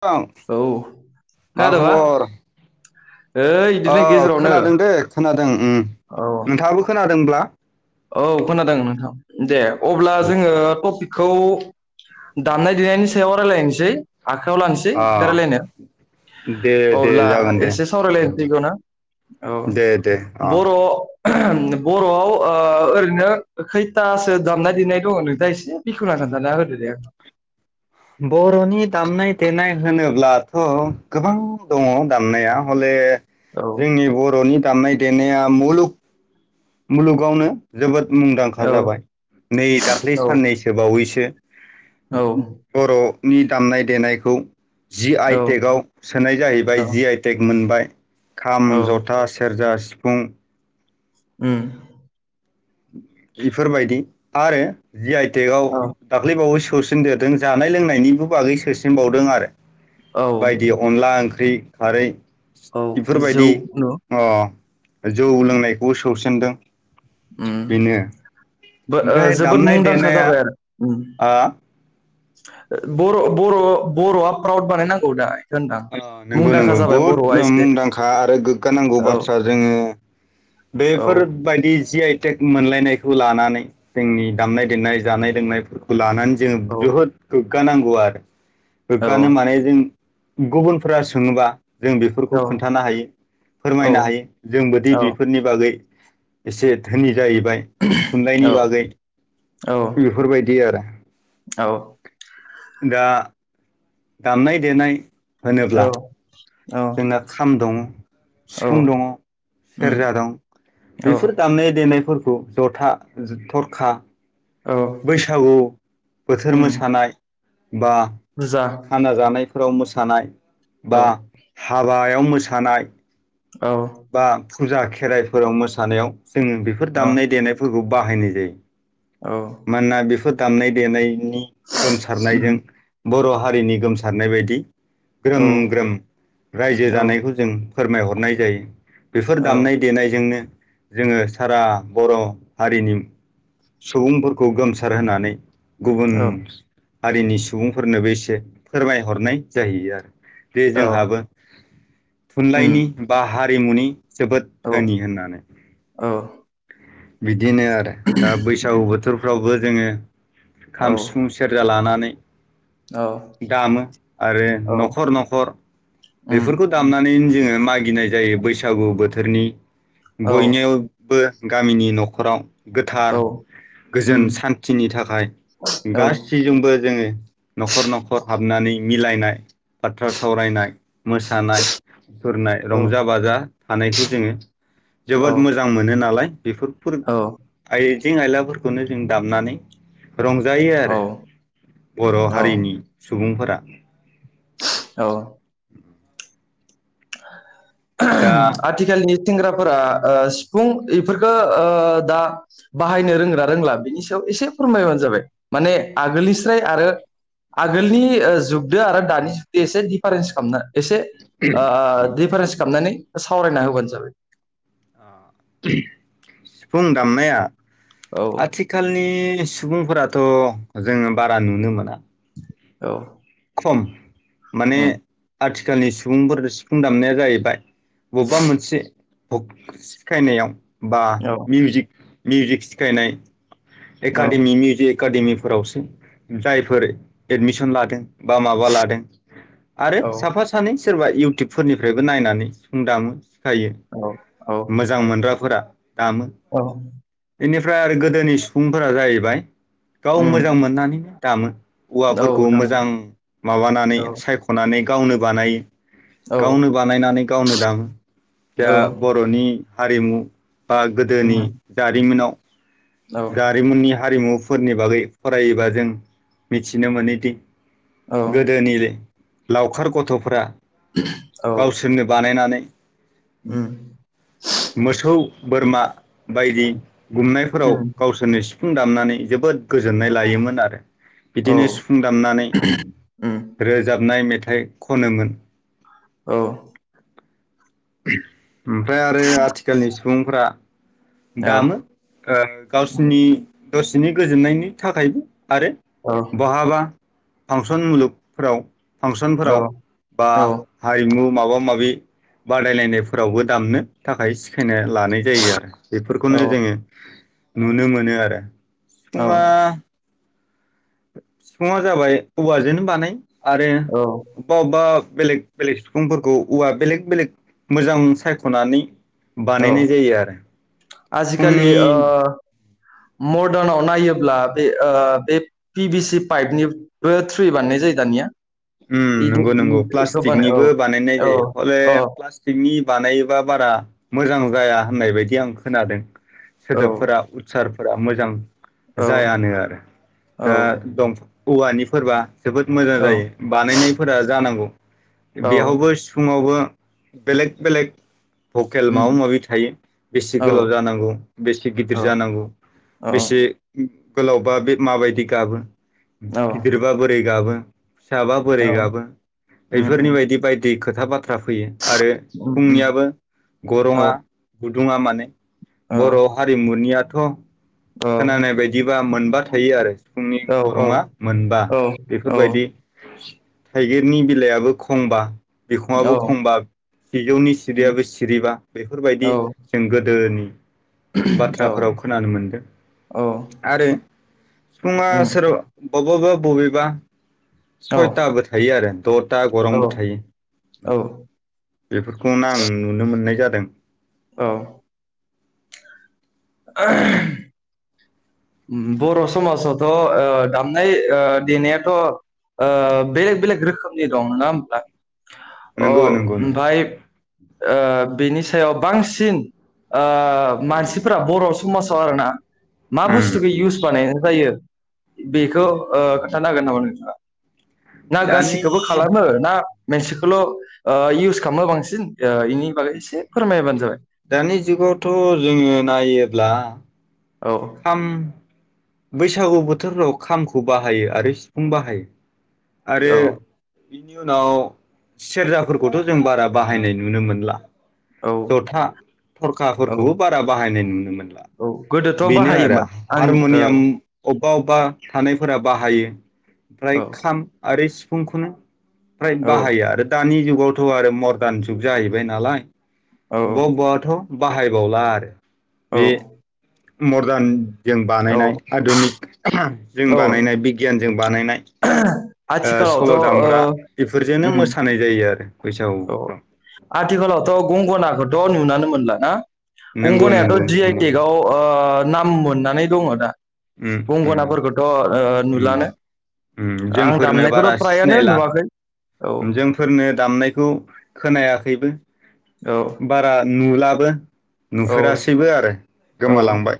नोंथां औ मा खोनादोबा खबर? ओइ अ इदिनो गेजेरावनो खोनादों दे खोनादों उम औ नोंथांङाबो खोनादोंब्ला? औ खोनादों नोंथां दे अब्ला आदसा जोंङो आदसा टपिकखौ दामनाय देनायनि सायाव रायलायनिसै। आखायाव लानोसै रायलायनो अ दे दे अब्ला जागोन दे एसे सावरायलायनोसै बेखौनो औ दे दे अ बर' बर'आव आ--ओरैनो खै थासो दमनाय देनाय दंङ नोंथां? दा एसे बिखेवना खोनथाना होदो दे आंनो। बर'नि दामनाय देनाय होनोब्लाथ' गोबां दङ दामनाया हले औ जोंनि बर'नि दामनाय देनाया मुलुग मुलुगावनो जोबोद मुंदांखा औ जाबाय नै दाख्लै औ साननैसो बावैसो औ बर' नि दामनाय देनायखौ जि आइटेक औ आव सोनाय जाहैबाय जि आइटेक मोनबाय। औ खाम ज'था सेरजा सि सिफुं। उम। इफोरबायदि आरो जियाइट टेकआव औ दाख्लैबावैसो सौसिनदेरदों जानाय लोंनायनिबो बागै सोसिनबावदों आरो औ । बायदि अनला ओंख ख्रि खारै औ जौ बेफोरबायदि न अ जौ उम लोंनायखौबो सौसिनदों । [inaudible] उम बो ओ ओमफ्राय जोबोद दामनाय मुंदांखा देनाया जाबाय आरो । आ बर' बर' ब'रआ प्राउद बानायनांगौ दा होनदां ओ नंगौ मुंदांखा नंगौ जाबाय बुहुद बर'आ एसे मुंदांखा आरो गोग्गानांगौ औ बाथ्रा जोङो औ बेफोरबायादि जिआइ टेक मोनलायनायखौ लानानै जोंनि दामनाय देनाय जानाय लोंनायफोरखौ लानानै जों औ बुहुद गोग गानांगवार औ गोग्गानो माने जों गुबुनफोरा सोङोबा जों बेफोरखौ औ खोन्थानो हायो औ फोरमायनो हायो जोंबोदि औ बेफोरनि बागै एसे धोनि जाहैबाय थुनलाइनि औ बागै औ बेफोरबायदि आरो । दा दामनाय देनाय होनोब्ला औ औ जोंना खाम दं औ सिफुं दङ उम सेरजा दं औ बेफोर दामनाय देनायफोर खौ जथा थरखा औ बैसागु बोथोर उम मोसानाय बा बुरजा खाना जानाय फोराव मोसानाय औ बा हाबायाव मोसानाय । औ फुजा खेराइफोराव मोसानायाव जोङो बेफोर औ दामनाय देनायफोरखौ बाहायनाय जायो औ । मानोना बेफोर दामनाय देनाय नि उम गोमसारनायजों बर' हारिनि गोमसारनाय बायदि औ ग्रोम ग्रोम रायजो औ जानायखौ जों फोरमायहरनाय जायो बेफोर औ दामनाय देनायजोंनो जोङो सारा बर' हारिनि सुबुंफोरखौ गोमसार होनानै गुबुन हारिनि सुबुंफोरनोबो एसे फोरमायहरनाय जाहैयो आरो दे औ जोंहाबो उम थुनलाइनि बा हा हारिमुनि जोबोद औ धोनि होननानै औ बिदिनो आरो दा बैसागु उम बोथोरफ्रावबो जोङो औ खाम सिफुं सेरजा लानानै दामो आरो औ न'खर न'खर बेफोरखौ उम दामनानैनो जोङो मागिनाय जायो बैसागु बोथोरनि औ बयनियावबो गामिनि न'खराव गोथार औ उम गोजोन सान्थिनि थाखाय औ गासैजोंबो जोङो न'खर न'खर हाबनानै मिलायनाय बाथ्रा सावरायनाय मोसानाय फोरनाय औ रंजा बाजा थानायखौ जोङो औ जोबोद मोजां मोनो नालाय बेफोर औ फोरबो आइ आइजें आइलाफोरखौनो जों दामनानै रंजायो औ आरो बर' औ हारिनि सुबुंफोरा [inaudible] औ [inaudible] दा ओम आथिखालनि सेंग्राफोरा ओ सिफुं ऐफोरखो ओ दा बाहायनो रोंगोनना रोंला बिनि सायाव एसे फोरमायबानो जाबाय माने आगोलनि स्राय आरो आगोलनि जुगदो आरो दानि जुगदो एसे डिफारेन्स खालामना एसे ओ डिफारेन्स खामनानै सावरायना होबानो जाबाय ओम सिफुं दामनाया औ आथिखालनि सुबुंफोराथ जोङो बारा नुनो मोना औ सम माने उम आथि आथिखालनि सुबुंफोर सिफुं दामनाया जाहैबाय बबेबा मोनसे सिखायनायाव बा औ मिउजिक मिउजिक सिखायनाय औ एकादेमीनि जे एकादेमी फोरावसो जायफोर एडमिसन लादों बा माबा लादों आरो औ साफा सानै सोरबा इउटुब फोरनिफ्रायबो नायनानै सिफुं दामो हायो औ औ मोजां मोनग्रा फोरा दामो औ बिनि ओमफ्राय आरो गोदोनि सुबुंफोरा जाहैबाय गाव उम मोजां मोननानैनो दामो औ औवाफोरखौ दामनो मोजां माबानानै औ सायख'नानै नै गावनो बानायो औ गावनो बानायनानै गावनो दामो औ दा बर'नि हारिमु बा उम गोदोनि जारिमिनाव औ जारिमिननि हारिमु फोरनि बागै फरायोबा जों मिथिनो मोनोदि औ गोदोनि लावखार गथ'फोरा औ गावसोरनो बानायनानै [inaudible] [inaudible] उम मोसौ बोरमा बायदि उम गुमनायफोराव सिफुं दामनानै जोबोद गोजोननाय लायोमोन आरो औ बिदिनो सिफुं दामनानै उम रोजाबनाय मेथाइ मेथाइ खनोमोन औ [inaudible] ओमफ्राय आरो आथिखालनि सुबुंफ्रा औ दामो ओ गावसिनि दसेनि गोजोननायनि थाखायबो आरो औ बहाबा फांसन मुलुगफोराव फांसनफोराव औ बा औ हारिमु माबा माबि बादायलायनायफोरावबो दामनो थाखाय सिखायना लानाय जायो आरो बेफोरखौनो जोङो नुनो मोनो आरो औ सिफुङा सिफङा जाबाय औवाजोंनो बानाय आरो औ वबा वबा बेलेग बेलेग सिफुंफोरखौ औवा बेलेग बेलेग मोजां सायख'नानै औ बानायनाय जायो आरो आजिखालि ओ सिफुंनि मदारनाव नायोब्ला बे बे पि बि सि पाइपनिबो थ्रि बानायनाय जायो दानिया। ओम इदि नंगौ नंगौ इखौ बानाय औ प्लास्टिकनिबो बानायनाय औ जायो हले अ औ प्लास्टिकनि बानायोबा बारा मोजां जाया होननाय बायदि आं खोनादों। सोदोबफोरा औ उत्सार फोरा मोजां जायानो आरो दा औ दं औवानि फोरबा जोबोद मोजां औ जायो। बानायनायफोरा जानांगौ। औ बेयावबो सिफुुङावबो बेलेग बेलेग भकेल उम माबा माबि थायो। बेसे औ गोलाव जानांगौ बेसे गिदिर जानांगौ औ बेसे गोलावबा बे माबायदि गाबो। औ गिदिर बा बोरै गाबो। फिसाबा बोरै औ गाबो उम उम बेफोरनि बायदि बाय दि खोथा बाथ रा फैयो आरो उम उम सिफुंनियाबो औ गरङा गुदुङा माने औ बर' हारिमुनिया थ' औ खोनानाय बायदिबा मोनबा थायो आरो। सिफुंनि औ गरङा मोनबा औ बेफोरबायदि औ थाइगिरनि बिलाइयाबो खंबा, बिखङाबो औ खंबा। सिजौनि उम सिरियाबो सिरिबा बेफोरबायदि औ जों गोदोनि औ बाथ्राफोराव खोनानो मोनदों। औ आरो सिफुङा उम सोरबा बब बा बबबा बबिबा औ सयथाबो थायो आरो द'था गरंबो थायो‌। औ बेफोरखौनो आं नुनो मोननाय जा दों। औ [unintelligible] ओम बर' समाजावथ' ओ दामनाय ओ देनायाथ' ओ बेलेग बेलेग रोखोमनि दं नङा होमब्ला? अ नंगौ नंगौ नंगौ ओमफाय ओ बेनि सायाव बांसिन ओ मानसि फोरा बर' समाजाव आरो ना। मा बुस्थुखौ उम इउस बानायनाय जायो। बेखौ ओ खोन्थानो हागोन नामा नोंथाङा? ना दानि गासिखौबो खालामो ना मोनसिखौल' ओ इउस खालामो बांसिन ओ इनि बागै इसे दानि जुगावथ' जोङो नायो ब्ला औ खाम बैसागु बोथोराव खामखौ बाहायो आरो सिफुं बाहायो। आरो औ बिनि उनाव सेरजाफोरखौथ' जों बारा बाहायनाय नुनो मोनला। औ जथा औ थरखाफोरखौबो बारा बाहायनाय नुनो मोन औ गोदोथ' बाहायोमोन आं ओ उम अब बा अबा थानायफोरा बाहायो। ओमफ्राय औ खाम आरो सि फुंखौनो फ्राय औ बाहायो आरो दानि जुग गावथ' आरो मर्दान जुग जाहैबाय नालाय। औ अबा अबाथ' बाहायबावला आरो। औ मर्दान जों औ बानायनाय आधुनिक। [unintelligible] जों औ बानायनाय बिगियान। बानायनाय। आथिखालावथ' सल' ओ दामग्रा बेफोरजोंनो उम मोसानाय जायो। आरो औ बैसागुफ्राव आथिखालावथ' गंगना खौथ' नुनानै मोनला ना नंगौ नंगौ गंगोनायाथ' जि आइ टेग नंगौ आव ओ नाम मोननानै दङ दा उम उम गंगनाफोरखोथ' ओ नुलानो उम उम आं दामनायखौथ' प्रायानो नुवाखै औ उम जोंफोरनो दाम नायखौ खोनायाखैबो औ बारा नुला ओ औ नुफेरासैबो आरो औ गोमालांबाय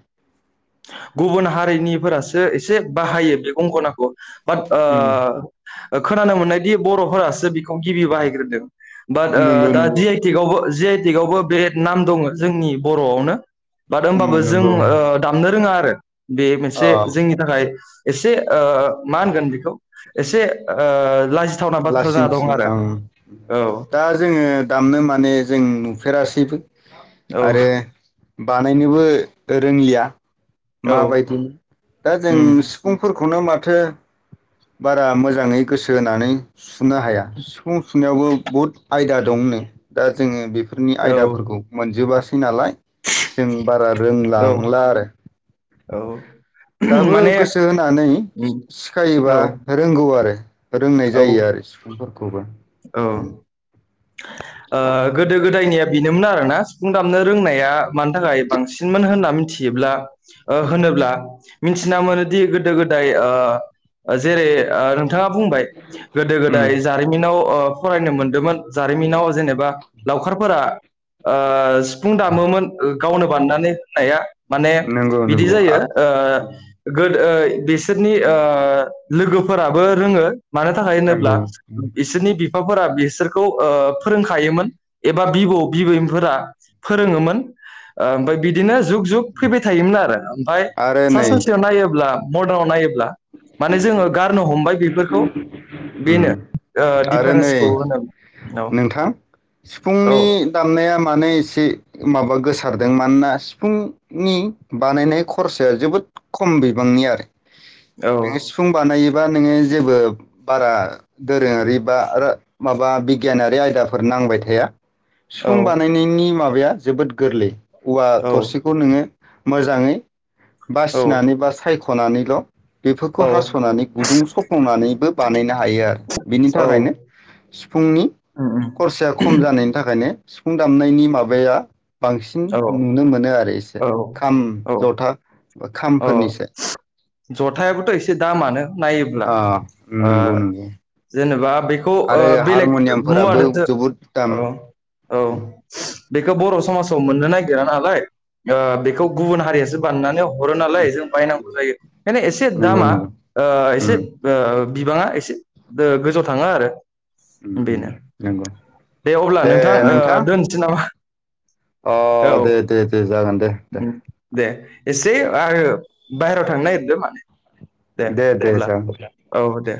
गुबुन हारिनिफोरासो एसे बाहायो बे गंगोनाखौ बाट ओ उम ओ खोनानो मोननायदि बर'फोरासो बिखौ गिबि बाहायग्रोदों बाट ओ नंगौ दा नंगौ जि आइ टेकआवबो जि आइ टेक आवबो बिरेट नाम दङ जोंनि बर'आवनो बाद ओ उम ओमबाबो जों नंगौ ओ दामनो जोंहा [unintelligible] बे मोनसे औ जोंनि थाखाय एसे ओ मा होनगोन बिखौ एसे ओ लाजि लासिं सिं ओं औ दा जोङो दामनो माने जों नु फेरासिबो औ आरो बानायनोबो रोंलिया औ माबायदि दा जों उम सिफुं फोर खौनो माथो बारा मोजाङै गोसो होनानै सुनो हाया सिफुं सुनायावबो बहुद आयदा दं नो जोङो बे फोरनि औ आयदाफोरखौ मोनजोबा सै नालाय जों बारा औ रोंलांला आरो औ दाबो माने गोसो होनानै उम सिखायोबा औ रोंगौ आरो रों। औ जायो आरो सिफुं फोर खौबा औ उम ओ गोदो गोदायनिया बेनोमोन आरोना सिफुं दामनो रोंनाया मानो थाखाय बांसिनमोन होनना मिथियोब्ला ओ होनोब्ला मिथिना मोनोदि गोदो गोदाय ओ जेरैओ। नोंथाङा बुंबाय गोदो उम गोदाय जारिमिनाव ओ फरायनो मोनदोंमोन जारिमिनाव जेनेबा लावखारफोराओ। सिफुं दामोमोन गावनो बाननानै नाया माने नंगौ बिदि नंगौ आ जायो ओ गोदो ओ। बेसोरनि ओ लोगोफोराबो रोङो मानो थाखाय होनोब्ला नंगौ इसोरनि बि फाफोरा बिसोर फोरोंखायोमोन। एबा बिबौ बिबैफोरा। फोरोङोमोन ओमफ्राय बिदिनो जुग जुग फैबाय थायोमोन आरो ओमफाय आरो नै मदारनाव नायोब्ला माने जोङो गारनो हम मबाय बेफोरखौ उम बेनो ओ आरो नै दिडफारेन्सखौ होनो नोंथां औ सिफुंनि दामनाया मानो एसे माबा गोसारदों मानोना सिफुंनि बानायनाय खरसाया जोबोद खम बिबांनि आरो औ नोङो सिफुं बानायो। बा नोङो जेबो बारा दोरोङारि बा माबा बि गियानारि आयदाफोर नांबाय थाया। औ सिफुं बानायनायनि मा बाया जोबोद गोरलै। उवा थरसिखौ नोङो। मोजाङै। औ बासिनानै बा सायख' खनानैल' बेफोरखौ औ हास'नानै गुदुं सखंनानैबो बानायनो हायो आरो बेनि औ थाखायनो सिफुंनि उम उम खरसाया खम जानायनि थाखाय माने सिफुं दामनायनि माबाया बांसिन औ नुनो मोनो आरो एसे खाम जथा अ खामफोरनिसो जथ गथ [inaudible] एसे दामआनो नायोब्ला अ ओ नंगौ नंगौ जेनेबा बेखौ ओ आरो बेलेग हारम'नियामफोराबो मुवादोसो जोबोद दाम औ औ बेखौ बर' समाजाव मोननो नागिरा नालाय ओ बेखौ गुबुन हारियासो बानायनानै हरो नालाय जों बायनांगौ जायोखायनो एसे नंगौ दामा नंगौ ओ एसे उम बिबाङा एसे ओ गोजौ थाङो आरो उम उम बेनो नंगौ दे अब्ला नोंथां ओ दोनसै नामा अ औ दे दे दे जागोन दे दे ज आरो बाहेराव थांनो नागिरदों माने [inaudible] दे अब्ला औ दे